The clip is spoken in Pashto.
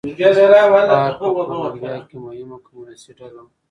فارک په کولمبیا کې مهمه کمونېستي ډله وه.